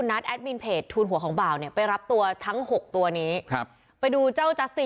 นี่นี่นี่นี่นี่นี่นี่นี่นี่นี่นี่นี่นี่